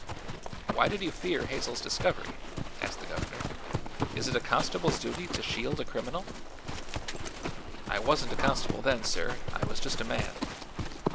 "Why did you fear Hazel's discovery?" asked the governor. "Is it a constable's duty to shield a criminal?" "I wasn't a constable then, sir; I was just a man.